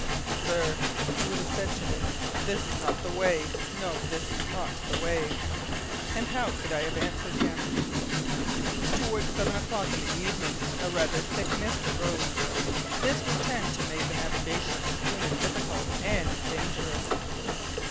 "Sir," he would have said to me, "this is not the way! No, this is not the way!" And how could I have answered him? Towards seven o'clock in the evening a rather thick mist arose; this would tend to make the navigation of the schooner difficult and dangerous.